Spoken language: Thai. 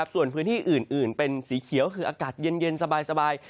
ส่วนพื้นที่อื่นเป็นสีเขียวคืออากาศเย็นสบาย